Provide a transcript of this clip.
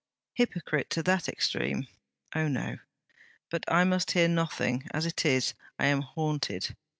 Hypocrite to that extreme? Oh, no! But I must hear nothing. As it is, I am haunted.